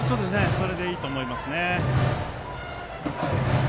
それでいいと思います。